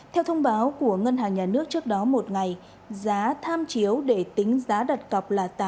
theo thông báo của ngân hàng nhà nước trước đó một ngày giá tham chiếu để tính giá đặt cọc là tám mươi